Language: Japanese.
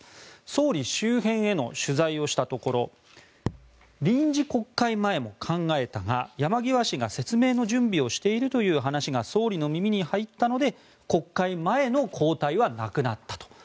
総理周辺への取材をしたところ臨時国会前も考えたが山際氏が説明の準備をしているという話が総理の耳に入ったので国会前の交代はなくなったと。